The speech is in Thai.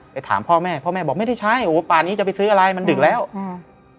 ถามพ่อแม่พ่อแม่บอกไม่ได้ใช้โอ้โหป่านี้จะไปซื้ออะไรมันดึกแล้วอืม